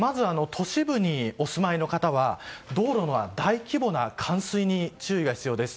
まず、都市部にお住まいの方は道路の大規模な冠水に冠水に注意が必要です。